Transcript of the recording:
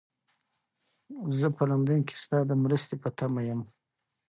زه په لندن کې ستا د مرستې په تمه یم.